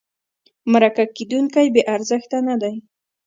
مرکه کېدونکی بې ارزښته نه دی.